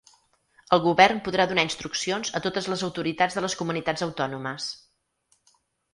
El govern podrà donar instruccions a totes les autoritats de les comunitats autònomes.